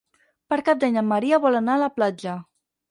Per Cap d'Any en Maria vol anar a la platja.